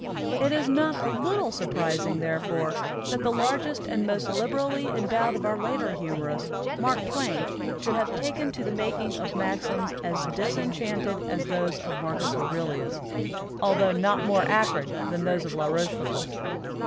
It is not a little surprizing therefore that the largest and most liberally endowed of our later humorists, Mark Twain, should have taken to the making of maxims as disenchanted as those of Marcus Aurelius, altho not more 109 AMERICAN APHORISMS acrid than those of La Rochefoucauld.